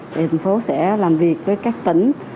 thì thành phố sẽ làm việc với các tỉnh